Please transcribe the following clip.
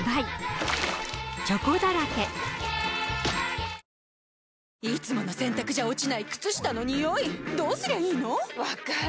ニトリいつもの洗たくじゃ落ちない靴下のニオイどうすりゃいいの⁉分かる。